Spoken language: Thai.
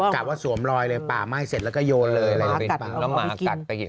กะว่าสวมรอยเลยป่าไหม้เสร็จแล้วก็โยนเลยแล้วหมากัด